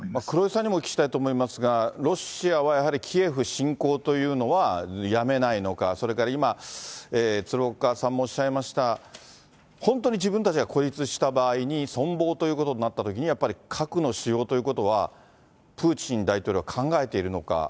黒井さんにもお聞きしたいと思いますが、ロシアはやはりキエフ侵攻というのはやめないのか、それから今、鶴岡さんもおっしゃいました、本当に自分たちが孤立した場合に、存亡ということになったときに、やっぱり核の使用ということは、プーチン大統領は考えているのか。